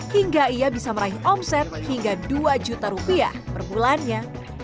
hingga ia bisa meraih omset hingga dua juta rupiah per bulannya